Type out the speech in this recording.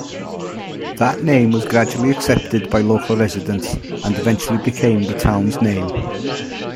That name was gradually accepted by local residents and eventually became the town's name.